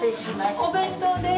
お弁当です！